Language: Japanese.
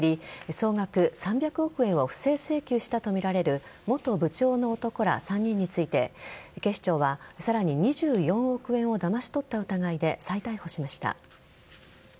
総額３００億円を不正請求したとみられる元部長の男ら３人について警視庁は、さらに２４億円をだまし取った疑いで再逮捕しました。